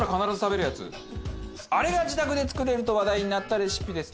あれが自宅で作れると話題になったレシピです。